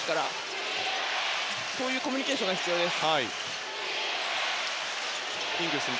こういうコミュニケーションが必要です。